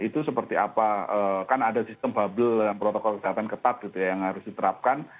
jadi itu seperti apa kan ada sistem bubble protokol kesehatan ketat gitu ya yang harus diterapkan